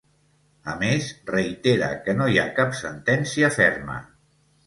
A més, reitera que no hi ha cap sentència ferma.